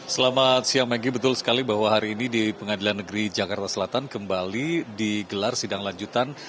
selamat siang maggie betul sekali bahwa hari ini di pengadilan negeri jakarta selatan kembali digelar sidang lanjutan